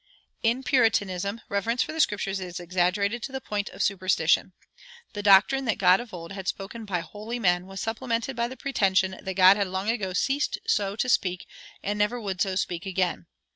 In Puritanism, reverence for the Scriptures is exaggerated to the point of superstition. The doctrine that God of old had spoken by holy men was supplemented by the pretension that God had long ago ceased so to speak and never would so speak again.